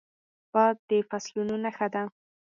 باد د فصلونو نښه ده